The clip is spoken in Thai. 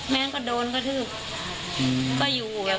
แม้งก็โดนก็ทืบก็อยู่